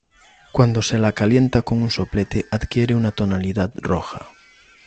Cuando se la calienta con un soplete adquiere una tonalidad roja.